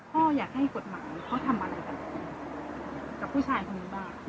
พ่ออยากให้กฎหมายเขาทำอะไรกันกับผู้ชายคนนี้บ้าง